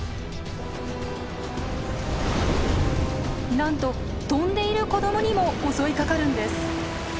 なんと飛んでいる子どもにも襲いかかるんです。